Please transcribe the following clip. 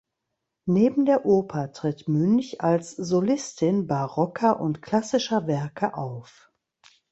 Neben der Oper tritt Münch als Solistin barocker und klassischer Werke auf.